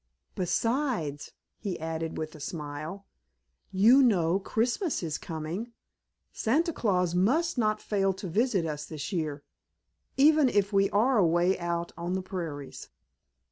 Besides," he added with a smile, "you know Christmas is coming. Santa Claus must not fail to visit us this year—even if we are away out on the prairies."